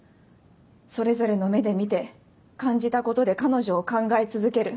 それぞれの目で見て感じたことで彼女を考え続ける。